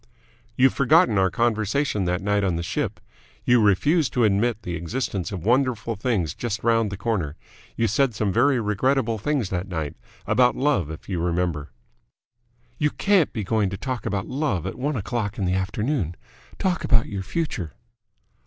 "You've forgotten our conversation that night on the ship. You refused to admit the existence of wonderful things just round the corner. You said some very regrettable things that night. About love, if you remember." "You can't be going to talk about love at one o'clock in the afternoon! Talk about your future."